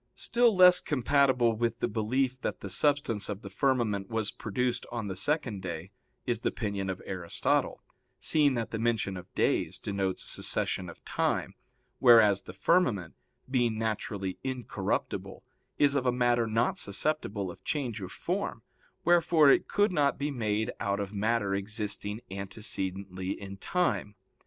Still less compatible with the belief that the substance of the firmament was produced on the second day is the opinion of Aristotle, seeing that the mention of days denotes succession of time, whereas the firmament, being naturally incorruptible, is of a matter not susceptible of change of form; wherefore it could not be made out of matter existing antecedently in time.